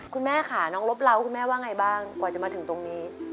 คุณแม่ค่ะน้องลบเล้าคุณแม่ว่าไงบ้างกว่าจะมาถึงตรงนี้